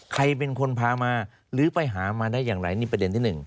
ใครเป็นคนพามาหรือไปหามาได้อย่างไรนี่ประเด็นที่๑